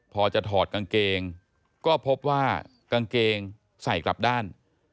พอจะถอดกางเกงก็พบว่ากางเกงใส่กลับด้าน